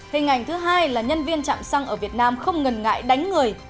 hình ảnh thứ hai là nhân viên trạm xăng ở việt nam không ngần ngại đánh người